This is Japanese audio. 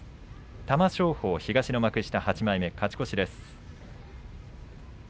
玉正鳳、東の幕下８枚目勝ち越しです。